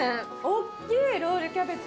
おっきいロールキャベツが。